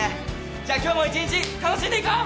じゃ今日も１日楽しんでいこう！